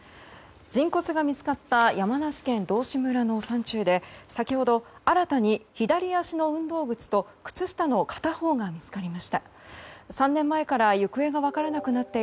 人骨が見つかった山梨県道志村の山中で先ほど、新たに左足の運動靴と靴下の片方が見つかりました。